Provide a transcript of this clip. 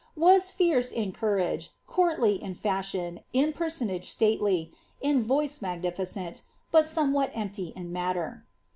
^was fierce in courage, courtly in feshion, in onage stately, in voice magnificent, but somewhat empty in matter.